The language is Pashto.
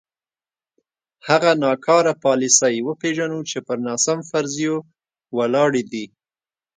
هغه ناکاره پالیسۍ وپېژنو چې پر ناسم فرضیو ولاړې دي.